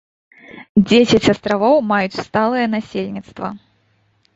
Дзесяць астравоў маюць сталае насельніцтва.